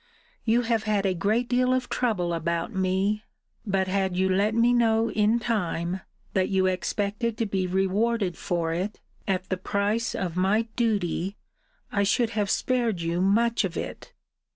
You have had a great deal of trouble about me: but had you let me know in time, that you expected to be rewarded for it at the price of my duty, I should have spared you much of it.